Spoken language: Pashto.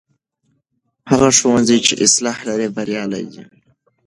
هغه ښوونځی چې اصلاح لري بریالی دی.